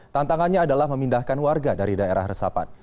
tantangannya adalah memindahkan warga dari daerah resapan